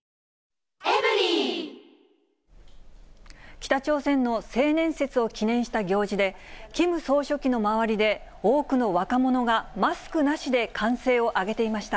北朝鮮の青年節を記念した行事で、キム総書記の周りで、多くの若者がマスクなしで歓声を上げていました。